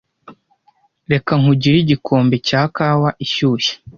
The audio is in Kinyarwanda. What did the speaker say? Reka nkugire igikombe cya kawa ishyushye.